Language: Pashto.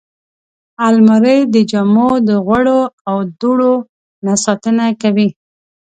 الماري د جامو د غوړو او دوړو نه ساتنه کوي